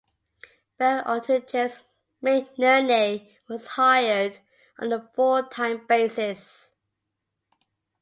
Bell, until James McNerney was hired on a full-time basis.